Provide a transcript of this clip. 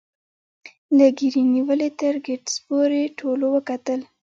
له ګيري نیولې تر ګیټس پورې ټولو وګټل